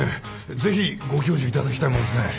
ぜひご教授いただきたいもんですね。